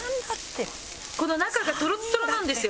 この中がトロットロなんですよ。